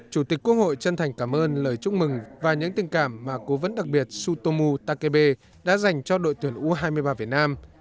chủ tịch quốc hội chân thành cảm ơn lời chúc mừng và những tình cảm mà cố vấn đặc biệt sutomu takebe đã dành cho đội tuyển u hai mươi ba việt nam